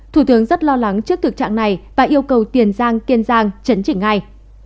thủ tướng rất lo lắng trước thực trạng này và yêu cầu tiền giang kiên giang chấn chỉnh ngay